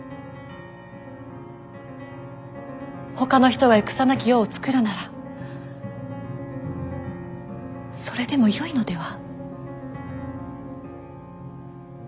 ほかの人が戦なき世を作るならそれでもよいのでは。